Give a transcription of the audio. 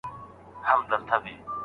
آیا منی تر پسرلي سړېږي؟